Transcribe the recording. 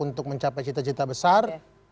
untuk mencapai cita cita besar